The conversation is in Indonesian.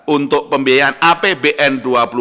untuk pembiayaan apbn dua ribu dua puluh